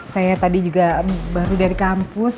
saya tadi juga baru dari kampus